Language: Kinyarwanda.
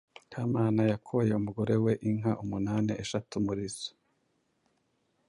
Kamana yakoye umugore we inka umunani: eshatu muri zo